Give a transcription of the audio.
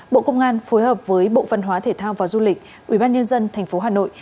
bộ công an phối hợp với bộ văn hóa thể thao và du lịch ubnd tp hà nội